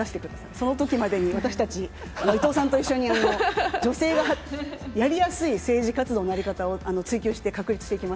そのときまでに私たち、伊藤さんと一緒に、女性がやりやすい政治活動のやり方を追求して、